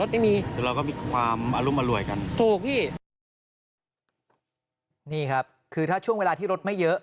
นี่ครับคือถ้าช่วงเวลาที่รถไม่เยอะ